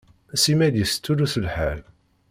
Simmal yestullus lḥal.